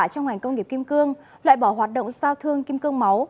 trong ngành công nghiệp kim cương loại bỏ hoạt động sao thương kim cương máu